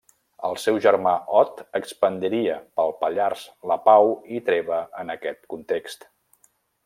El seu germà Ot expandiria pel Pallars la Pau i Treva en aquest context.